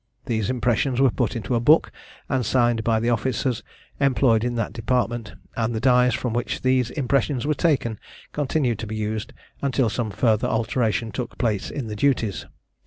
These impressions were put into a book, and signed by the officers employed in that department, and the dies from which these impressions were taken, continued to be used until some further alteration took place in the duties.